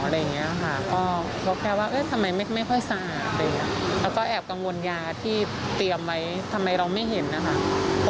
แล้วก็แอบกังวลยาที่เตรียมไว้ทำไมเราไม่เห็นนะคะ